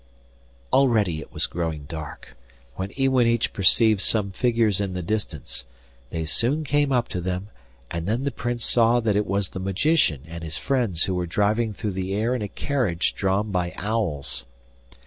Already it was growing dark, when Iwanich perceived some figures in the distance; they soon came up to them, and then the Prince saw that it was the magician and his friends who were driving through the air in a carriage drawn by owls.